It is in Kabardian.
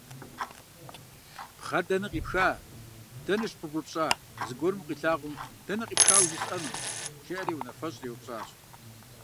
«Пхъэр дэнэ къипха, дэнэ щыпыбупщӏа, зыгуэрым укъилъагъум дэнэ къипхауэ жесӏэну?» – жиӏэри унафэщӏыр еупщӏащ.